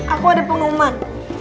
aku ada pengumuman